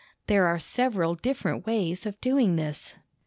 There are several different ways of doing this."